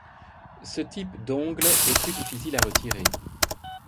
Ce type d'ongle est plus difficile à retirer.